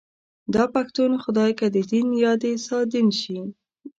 داپښتون خدای که ددين يا دسادين شي